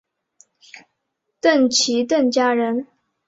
郑琦郑家人。